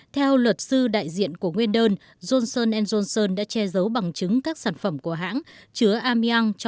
theo luật sư đại diện của nguyên đơn johnson johnson đã che giấu bằng chứng các sản phẩm